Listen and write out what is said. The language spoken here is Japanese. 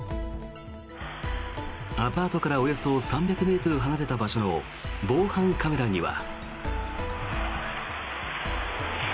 アパートからおよそ３００ｍ離れた場所の防犯カメラには。